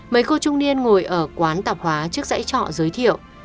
mấy cô trung niên ngồi ở quán tạp hóa trước dãy trọ giới thiệu